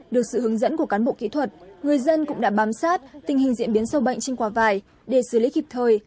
được sự hướng dẫn của cán bộ kỹ thuật người dân cũng đã bám sát tình hình diễn biến sâu bệnh trên quả vải để xử lý kịp thời